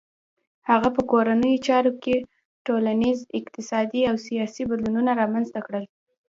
هغه په کورنیو چارو کې ټولنیز، اقتصادي او سیاسي بدلونونه رامنځته کړل.